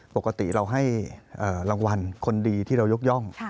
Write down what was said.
ปกติเราให้รางวัลคนดีที่เรายกย่อง